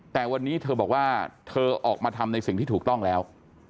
แต่วันนี้เธอบอกว่าเธอออกมาทำในสิ่งที่ถูกต้องแล้ว